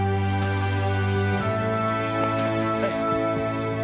はい。